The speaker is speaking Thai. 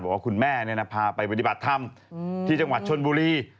ว่าคุณแม่พาไปปฏิบัติธรรมที่จังหวัดชนบุรี